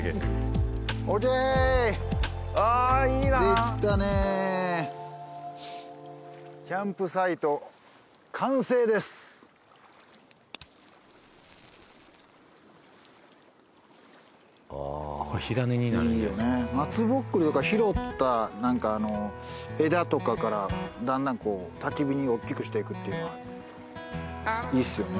できたねキャンプサイト完成ですいいよね松ぼっくりとか拾った何かあの枝とかからだんだんこうたき火に大きくしていくっていうのはいいっすよね